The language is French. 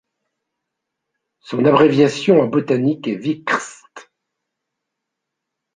Son abréviation en botanique est Wikstr.